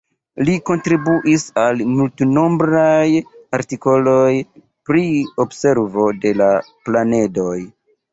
Li kontribuis al multnombraj artikoloj pri observo de la planedoj.